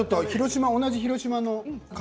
同じ広島の方。